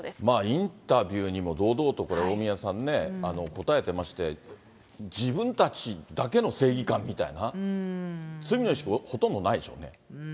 インタビューにも堂々と、これ、大宮さんね、答えてまして、自分たちだけの正義感みたいな、罪の意識、ほとんどないでしょうね。